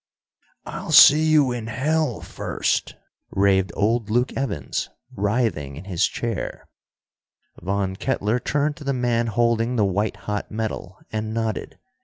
"I'll see you in hell first," raved old Luke Evans, writhing in his chair. Von Kettler turned to the man holding the white hot metal, and nodded.